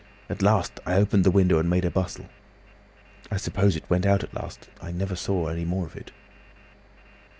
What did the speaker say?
At last I opened the window and made a bustle. I suppose it went out at last. I never saw any more of it.